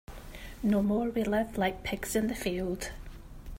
No more we live like pigs in the field.